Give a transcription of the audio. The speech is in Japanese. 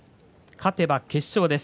勝てば決勝です。